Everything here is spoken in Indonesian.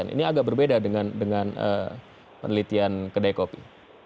ini agak berbeda dengan penelitian kedai kopi